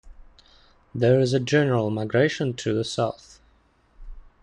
There is a general migration to the south.